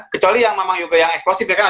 kecuali yang memang juga yang eksplosif ya kan